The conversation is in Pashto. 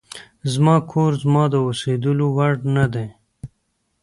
زما کور زما د اوسېدلو وړ نه دی.